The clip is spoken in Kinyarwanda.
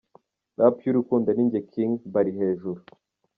Rap y’urukundo ni njye King mbari hejuru….